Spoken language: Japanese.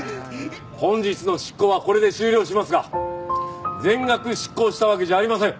本日の執行はこれで終了しますが全額執行したわけじゃありません。